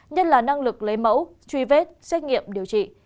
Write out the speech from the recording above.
nhất là năng lực lấy mẫu truy vết xét nghiệm điều trị